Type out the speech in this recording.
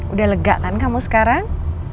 udah lega kan kamu sekarang